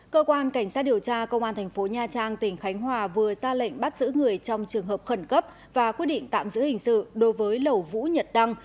cơ quan cảnh sát điều tra công an thành phố nha trang tỉnh khánh hòa vừa ra lệnh bắt giữ người trong trường hợp khẩn cấp và quyết định tạm giữ hình sự đối với lẩu vũ nhật đăng